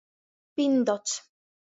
Pindots.